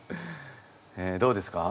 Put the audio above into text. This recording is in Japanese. どうですか？